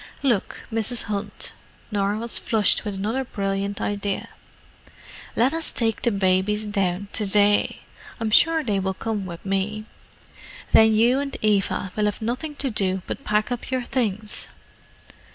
"Look, Mrs. Hunt," Norah was flushed with another brilliant idea. "Let us take the babies down to day—I'm sure they will come with me. Then you and Eva will have nothing to do but pack up your things."